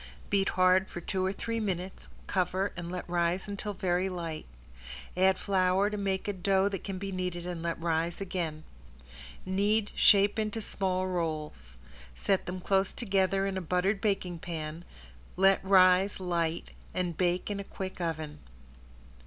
Beat hard for two or three minutes, cover, and let rise until very light. Add flour to make a dough that can be kneaded and let rise again. Knead, shape into small rolls. Set them close together in a buttered baking pan, let rise light, and bake in a quick oven.